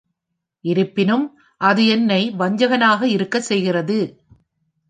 இருப்பினும், அது என்னை வஞ்சகனாக இருக்கச் செய்கிறது.